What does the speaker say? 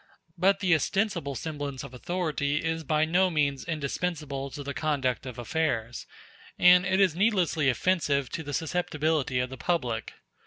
But the ostensible semblance of authority is by no means indispensable to the conduct of affairs, and it is needlessly offensive to the susceptibility of the public.